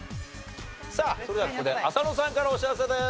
さあそれではここで浅野さんからお知らせです。